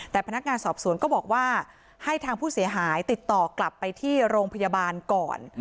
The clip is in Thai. แต่พนักงานสอบสวนก็บอกว่าให้ทางผู้เสียหายติดต่อกลับไปที่โรงพยาบาลก่อน